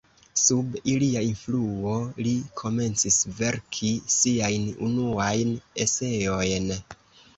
Sub ilia influo li komencis verki siajn unuajn eseojn.